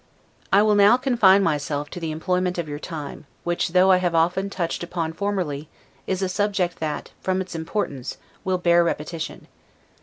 I will now confine myself to the employment of your time, which, though I have often touched upon formerly, is a subject that, from its importance, will bear repetition.